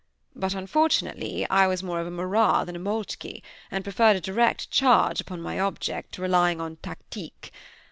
But, unfortunately, I was more of a Murat than a Moltke, and preferred a direct charge upon my object to relying on tactique.